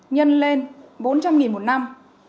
nhân lên bốn trăm linh một năm